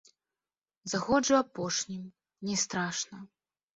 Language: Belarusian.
Заходжу апошнім, не страшна.